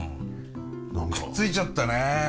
くっついちゃったねえ。